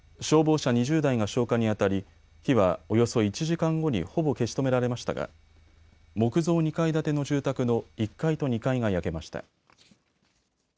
消防車２０台が消火にあたり火は、およそ１時間後にほぼ消し止められましたが木造２階建ての住宅の１階と２階が焼けました。